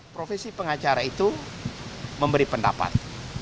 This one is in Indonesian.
profesi pengacara itu memberi pendapat